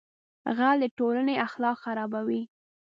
غل د ټولنې اخلاق خرابوي